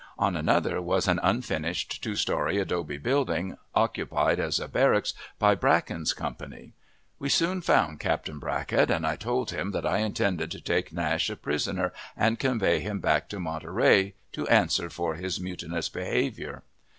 On another was an unfinished two story adobe building, occupied as a barrack by Bracken's company. We soon found Captain Brackett, and I told him that I intended to take Nash a prisoner and convey him back to Monterey to answer for his mutinous behavior.